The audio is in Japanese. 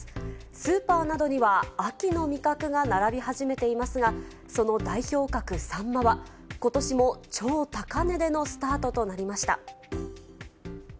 スーパーなどには、秋の味覚が並び始めていますが、その代表格、サンマは、ことしも超高値でのスタートとなりました。